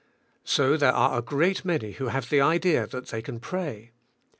So there are a great many who have the idea that they can pray.